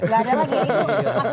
enggak ada lagi ya